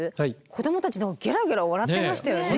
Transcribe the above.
子どもたちゲラゲラ笑ってましたよね。